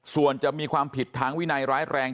ส่วนจะมีความผิดทางวินัยร้ายแรง